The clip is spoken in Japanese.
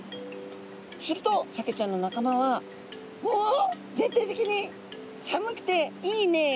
するとサケちゃんの仲間は「おお！全体的に寒くていいね。